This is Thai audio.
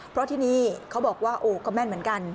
เพราะที่นี่เขาบอกว่าโอ้ก็แม่นเหมือนกัน